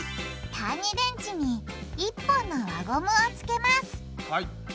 単２電池に１本の輪ゴムをつけます